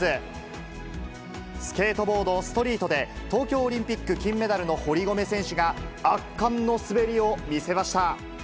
スケートボードストリートで、東京オリンピック金メダルの堀米選手が、圧巻の滑りを見せました。